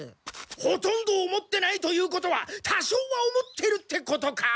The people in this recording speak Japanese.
ほとんど思ってないということは多少は思ってるってことか？